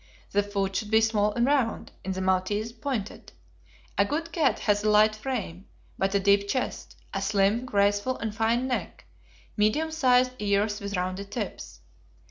The foot should be small and round (in the maltese, pointed). A good cat has a light frame, but a deep chest; a slim, graceful, and fine neck; medium sized ears with rounded tips.